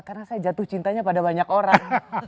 karena saya jatuh cintanya pada banyak orang